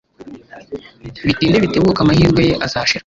Bitinde bitebuke amahirwe ye azashira